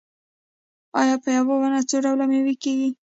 آیا په یوه ونه څو ډوله میوه کیږي؟